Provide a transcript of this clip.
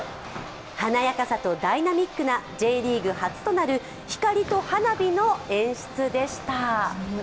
華やかさとダイナミックなＪリーグ初となる光と花火の演出でした。